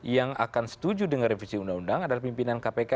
yang akan setuju dengan revisi undang undang adalah pimpinan kpk